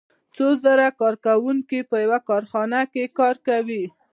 څو زره کارکوونکي په یوه کارخانه کې کار کوي